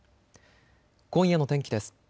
今夜の天気です。